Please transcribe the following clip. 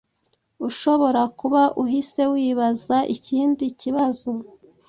Ushobora kuba uhise wibaza iki kibazo